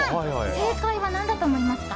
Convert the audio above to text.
正解は何だと思いますか？